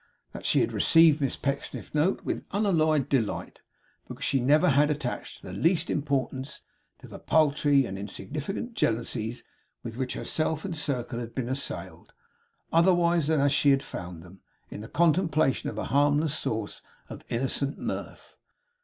That she had received Miss Pecksniff's note with unalloyed delight, because she never had attached the least importance to the paltry and insignificant jealousies with which herself and circle had been assailed; otherwise than as she had found them, in the contemplation, a harmless source of innocent mirth.